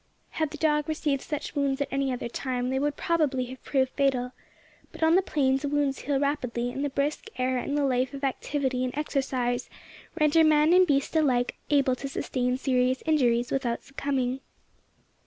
Had the dog received such wounds at any other time they would have probably proved fatal; but on the plains wounds heal rapidly, and the brisk air and the life of activity and exercise render man and beast alike able to sustain serious injuries without succumbing.